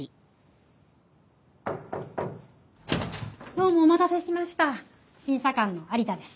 どうもお待たせしました審査官の有田です。